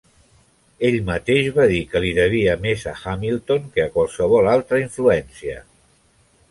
Ell mateix va dir que li devia més a Hamilton que a qualsevol altra influència.